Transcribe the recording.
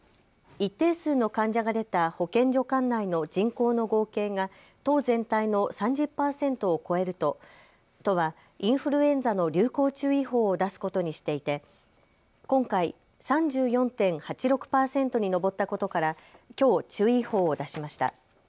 一定数の患者が出た保健所管内の人口の合計が都全体の３０％を超えると、都はインフルエンザの流行注意報を出すことにしていて、今回、３４．８６％に上ったことからきょう注意報を出しました。